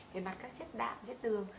về mặt các chất đạm chất đường